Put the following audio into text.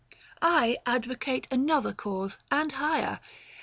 I advocate another cause and higher